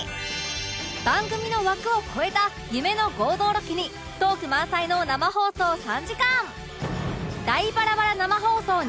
番組の枠を超えた夢の合同ロケにトーク満載の生放送３時間